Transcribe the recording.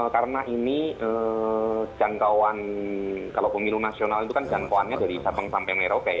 karena ini jangkauan kalau pemilu nasional itu kan jangkauannya dari sabang sampai merauke